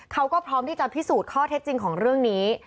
เขาก็พร้อมที่จะพิสูจน์ข้อเท็จจริงของเรื่องนี้